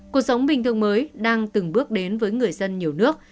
cuộc sống bình thường mới đang từng bước đến với người dân nhiều nước